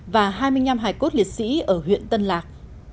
và hai mươi năm hải cốt liệt sĩ ở huyện tân lạc